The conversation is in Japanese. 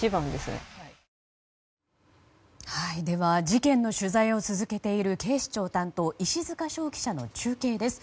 事件の取材を続けている警視庁担当石塚翔記者の中継です。